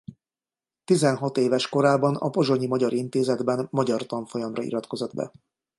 Tizenhat éves korában a a Pozsonyi Magyar Intézetben magyar tanfolyamra iratkozott be.